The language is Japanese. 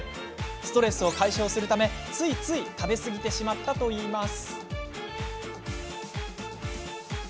ストレスを解消するためついつい食べ過ぎてしまったといいます。